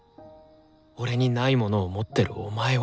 俺にないものを持ってるお前を。